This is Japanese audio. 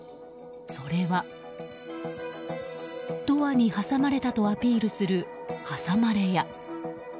それは、ドアに挟まれたとアピールする挟まれ屋。